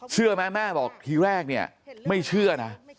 เชื่อไหมแม่บอกทีแรกเนี่ยไม่เชื่อนะ